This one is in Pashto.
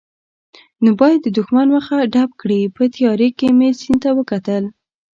نو باید د دښمن مخه ډب کړي، په تیارې کې مې سیند ته وکتل.